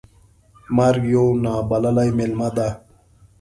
مرګ یو نا بللی میلمه ده .